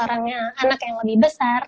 anak yang lebih besar